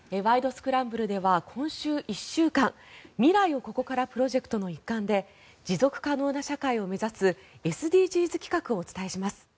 スクランブル」では今週１週間未来をここからプロジェクトの一環で持続可能な社会を目指すＳＤＧｓ企画をお伝えします。